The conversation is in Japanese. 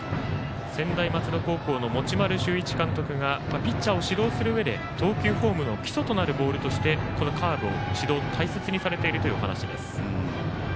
専大松戸高校の持丸修一監督がピッチャーを指導するうえで投球フォームの基礎となるボールとしてこのカーブを大切にされているというお話です。